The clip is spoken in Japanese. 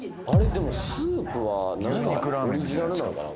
でもスープはなんかオリジナルなんかな